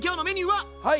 はい！